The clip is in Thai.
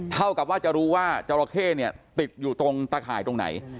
เท่ากับว่าจะรู้ว่าจราเข้เนี่ยติดอยู่ตรงตะข่ายตรงไหน